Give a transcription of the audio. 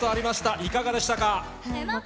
いかがでしたか。